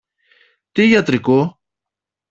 Τι γιατρικό;